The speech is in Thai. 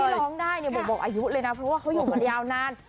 ร้องได้เนี่ยบ่งบอกอายุเลยนะเพราะว่าเขาอยู่มายาวนาน